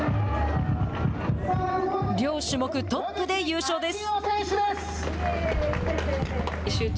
両種目トップで優勝です。